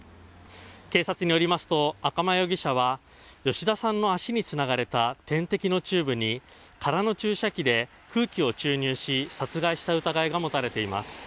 警察によりますと、赤間容疑者は吉田さんの足につながれた点滴のチューブに空の注射器で空気を注入し殺害した疑いが持たれています。